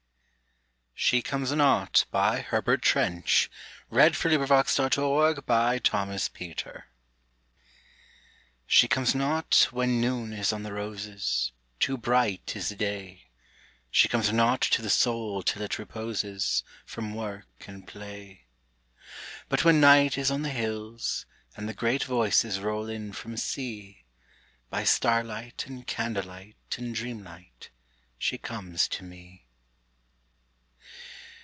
ts: A B . C D . E F . G H . I J . K L . M N . O P . Q R . S T . U V . W X . Y Z She Comes Not She comes not when Noon is on the roses Too bright is Day. She comes not to the Soul till it reposes From work and play. But when Night is on the hills, and the great Voices Roll in from Sea, By starlight and candle light and dreamlight She comes to me.